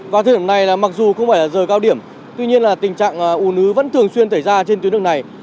vào thời điểm này là mặc dù không phải là giờ cao điểm tuy nhiên là tình trạng ủ nứ vẫn thường xuyên xảy ra trên tuyến đường này